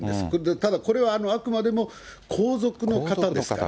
ただこれは、あくまでも皇族の方ですから。